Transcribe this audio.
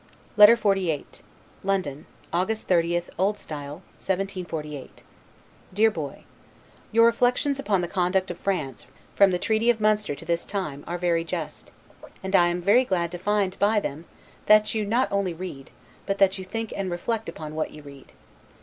LETTER XLVIII LONDON, August 30, O. S. 1748 DEAR BOY: Your reflections upon the conduct of France, from the treaty of Munster to this time, are very just; and I am very glad to find, by them, that you not only read, but that you think and reflect upon what you read.